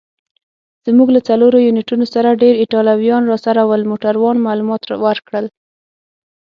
زموږ له څلورو یونیټونو سره ډېر ایټالویان راسره ول. موټروان معلومات ورکړل.